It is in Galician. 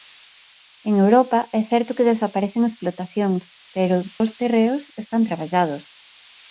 En Europa é certo que desaparecen explotacións, pero os terreos están traballados.